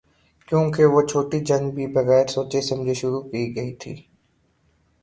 کیونکہ وہ چھوٹی جنگ بھی بغیر سوچے سمجھے شروع کی گئی تھی۔